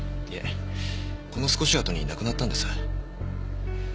いえこの少しあとに亡くなったんです。